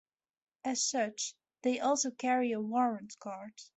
As such, they also carry a warrant card.